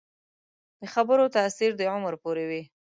د خبرو تاثیر د عمر پورې وي